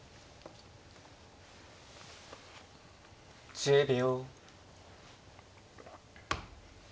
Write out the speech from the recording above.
１０秒。